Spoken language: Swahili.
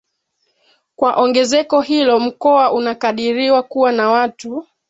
Kwa ongezeko hilo Mkoa unakadiriwa kuwa na watu